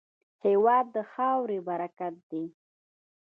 هېواد د خاورې برکت دی.